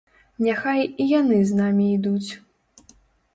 Няхай і яны з намі ідуць.